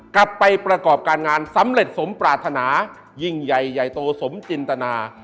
กลับไปประกอบการงานสำเร็จสมปรารถนายิ่งใหญ่ใหญ่โตสมจินตนา